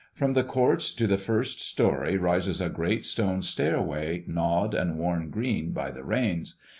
From the court to the first story rises a great stone stairway gnawed and worn green by the rains.